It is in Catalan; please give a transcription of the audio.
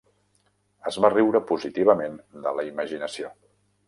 Es va riure positivament de la imaginació.